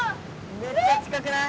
めっちゃ近くない？